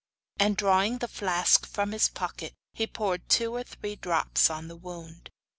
And drawing the flask from his pocket, he poured two or three drops on the wound.